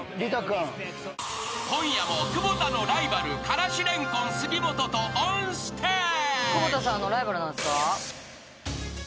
［今夜も久保田のライバルからし蓮根杉本とオンステージ］